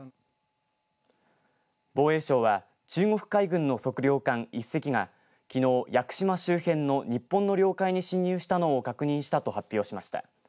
防衛省は中国海軍の測量艦１隻がきのう、屋久島周辺の日本の領海に侵入したのを確認したと発表しました。